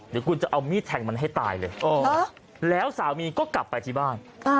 เดี๋ยวคุณจะเอามีดแทงมันให้ตายเลยแล้วสามีก็กลับไปที่บ้าน